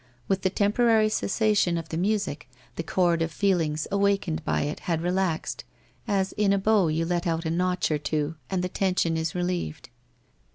With the temporary cessation of the music, the chord of feelings awakened by it had relaxed, as in a bow you let out a notch or two, and the tension is relieved.